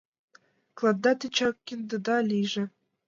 Клатда тичак киндыда лийже.